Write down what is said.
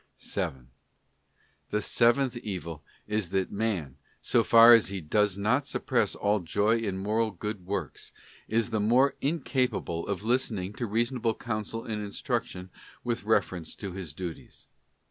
7. The seventh evil is that man, so far as he does not suppress all joy in moral good works, is the more incapable of listening to reasonable counsel and instruction with refe rence to his duties.